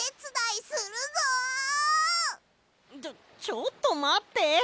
ちょっとまって。